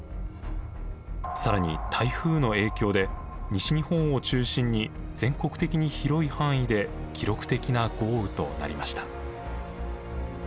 更に台風の影響で西日本を中心に全国的に広い範囲で記録的な豪雨となりました。